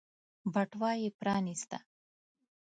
بټوه يې پرانيسته.